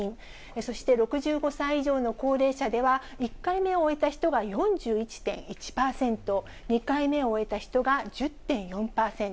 そして６５歳以上の高齢者では、１回目を終えた人が４１．１％、２回目を終えた人が１０．４％。